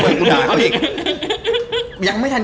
ตอนนั้นยังไง